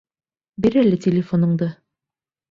Бир әле телефоныңды!